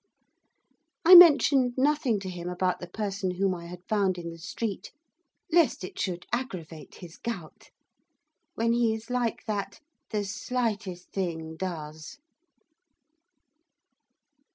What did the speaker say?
I mentioned nothing to him about the person whom I had found in the street, lest it should aggravate his gout. When he is like that, the slightest thing does.